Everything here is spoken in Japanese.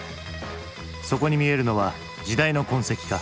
そこに見えるのは時代の痕跡か。